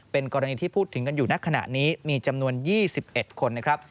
เป็นกรณีที่พูดถึงกันอยู่ในขณะนี้มีจำนวน๒๑คนนะครับ